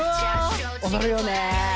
踊るよね。